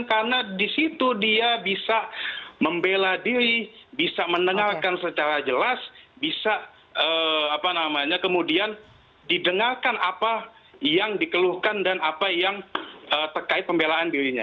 karena di situ dia bisa membela diri bisa mendengarkan secara jelas bisa kemudian didengarkan apa yang dikeluhkan dan apa yang terkait pembelaan dirinya